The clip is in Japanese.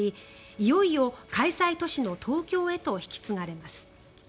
いよいよ開催都市の東京へと引き継がれます。